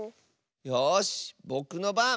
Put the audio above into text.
よしぼくのばん！